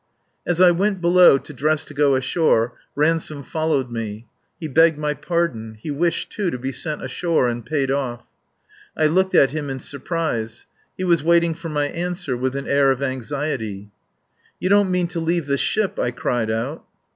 As I went below to dress to go ashore, Ransome followed me. He begged my pardon; he wished, too, to be sent ashore and paid off. I looked at him in surprise. He was waiting for my answer with an air of anxiety. "You don't mean to leave the ship!" I cried out.